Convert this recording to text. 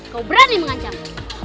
kau berani mengancam